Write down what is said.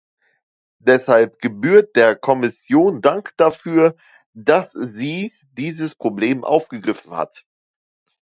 Deshalb gebührt der Kommission Dank dafür, dass sie dieses Problem aufgegriffen hat.